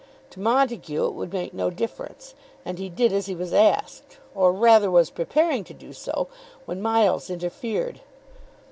To Montague it would make no difference, and he did as he was asked; or rather was preparing to do so, when Miles interfered.